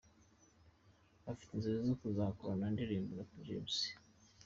Afite inzozi zo kuzakorana indirimbo na King James.